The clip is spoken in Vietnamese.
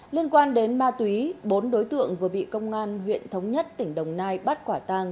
liên quan đến ma túy bốn đối tượng vừa bị công an huyện thống nhất tỉnh đồng nai bắt quả tang